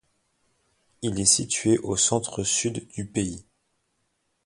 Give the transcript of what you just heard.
Il est situé au centre-sud du pays.